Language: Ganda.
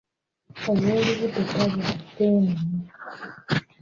Ow’olubuto talya nseenene.